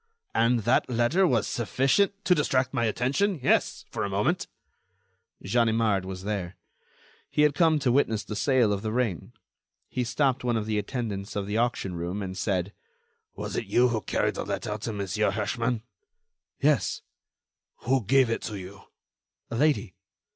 "And that letter was sufficient—" "To distract my attention? Yes, for a moment." Ganimard was there. He had come to witness the sale of the ring. He stopped one of the attendants of the auction room, and said: "Was it you who carried the letter to Monsieur Herschmann?" "Yes." "Who gave it to you?" "A lady."